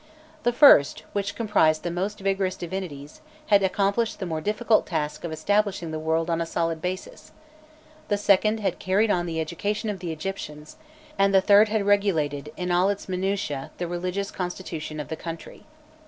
The first, which comprised the most vigorous divinities, had accomplished the more difficult task of establishing the world on a solid basis; the second had carried on the education of the Egyptians; and the third had regulated, in all its minutiae, the religious constitution of the country.